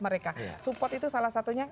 mereka support itu salah satunya